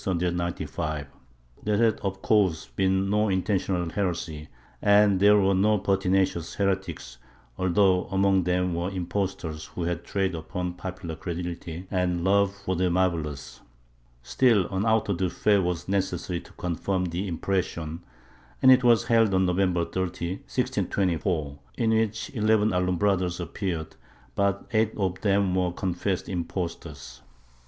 ^ There had of course been no intentional heresy and there were no pertinacious heretics, although among them were impos tors who had traded upon popular credulity and love for the marvellous. Still, an auto de fe was necessary to confirm the impression and it was held on November 30, 1624, in which eleven Alumbrados appeared, but eight of them were confessed impostors.